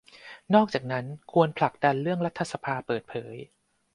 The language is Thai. นอกจากนั้นควรผลักดันเรื่องรัฐสภาเปิดเผย